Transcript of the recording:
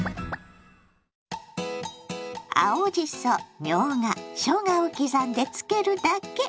青じそみょうがしょうがを刻んでつけるだけ！